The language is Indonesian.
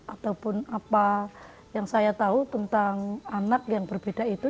ataupun apa yang saya tahu tentang anak yang berbeda itu